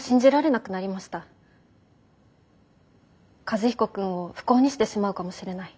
和彦君を不幸にしてしまうかもしれない。